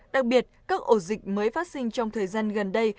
đặc biệt các ổ dịch mới phát sinh trong thời gian gần đây